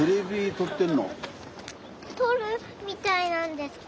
撮るみたいなんですか？